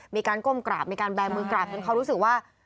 มีการก้มกราบมีการแบนมือกราบจนเขารู้สึกว่า